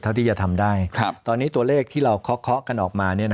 เท่าที่จะทำได้ตอนนี้ตัวเลขที่เราเคาะกันออกมา